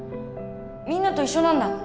みんなと一緒なんだ。